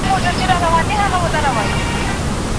پښتو ژبه باندي مینه وکړه.